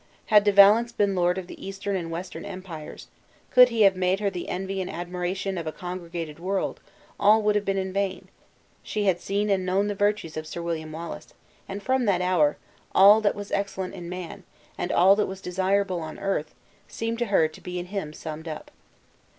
Had De Valence been lord of the eastern and western empires, could he have made her the envy and admiration of a congregated world, all would have been in vain; she had seen and known the virtues of Sir William Wallace; and from that hour, all that was excellent in man, and all that was desirable on earth, seemed to her to be in him summed up.